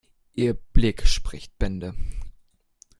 Ihr Blick spricht Bände.